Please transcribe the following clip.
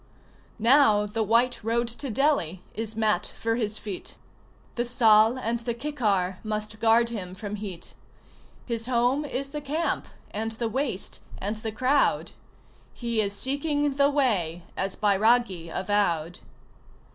Now the white road to Delhi is mat for his feet, The sal and the kikar must guard him from heat; His home is the camp, and the waste, and the crowd He is seeking the Way as bairagi avowed!